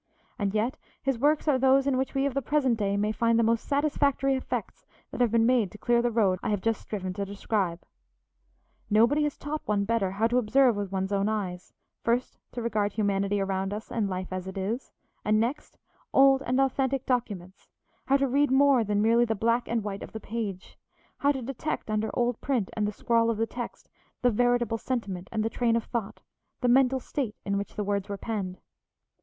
And yet his works are those in which we of the present day may find the most satisfactory efforts that have been made to clear the road I have just striven to describe. Nobody has taught one better how to observe with one's own eyes, first, to regard humanity around us and life as it is, and next, old and authentic documents, how to read more than merely the black and white of the page, how to detect under old print and the scrawl of the text the veritable sentiment and the train of thought, the mental state in which the words were penned.